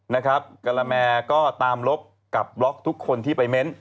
นะครับกรแมก็ตามรบกับกรอบทุกคนที่ไปเม้น